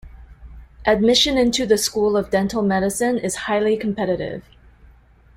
Admission into the School of Dental Medicine is highly competitive.